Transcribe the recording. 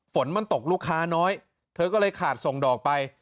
ฝนมันตกลูกค้าน้อยเธอก็เลยขาดส่งดอกไป